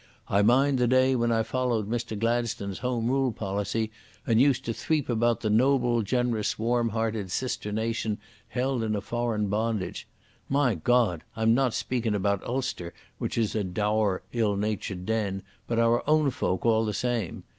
I mind the day when I followed Mr Gladstone's Home Rule policy, and used to threep about the noble, generous, warm hearted sister nation held in a foreign bondage. My Goad! I'm not speakin' about Ulster, which is a dour, ill natured den, but our own folk all the same.